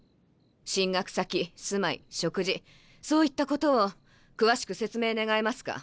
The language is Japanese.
進学先住まい食事そういったことを詳しく説明願えますか？